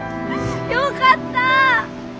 よかった！